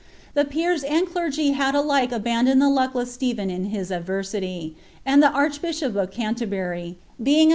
The peera and clei^y had alike abandoned the luckiest .ipben in his adversity; anil the archbishop of Canterbury, being I